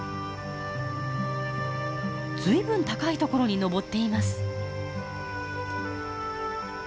ずいぶん高い所に登っています。